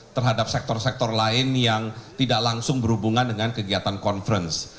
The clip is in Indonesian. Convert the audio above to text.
terhadap sektor sektor lain yang tidak langsung berhubungan dengan kegiatan conference